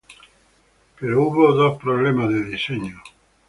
Pero hubo dos problemas de diseño.